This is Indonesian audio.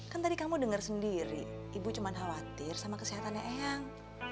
kan tadi kamu dengar sendiri ibu cuma khawatir sama kesehatannya eyang